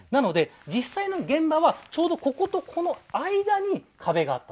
実際の現場はちょうど、こことここの間に壁があった。